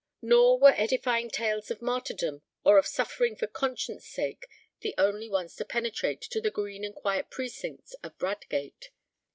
Nor were edifying tales of martyrdom or of suffering for conscience' sake the only ones to penetrate to the green and quiet precincts of Bradgate.